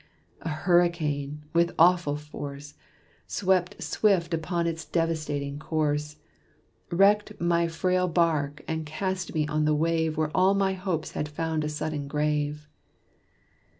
a hurricane, with awful force, Swept swift upon its devastating course, Wrecked my frail bark, and cast me on the wave Where all my hopes had found a sudden grave.